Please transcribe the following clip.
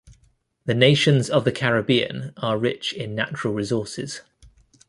The nations of the Caribbean are rich in natural resources.